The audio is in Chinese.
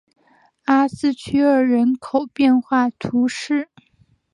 阿斯屈厄人口变化图示